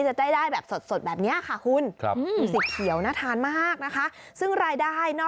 จะได้ได้แบบสดแบบนี้ค่ะคุณ